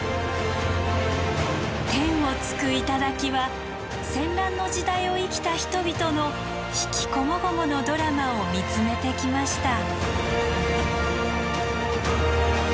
天を突く頂は戦乱の時代を生きた人々の悲喜こもごものドラマを見つめてきました。